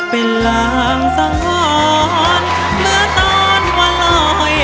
เป็นหลังสงรมือตอนว่าลอยครับ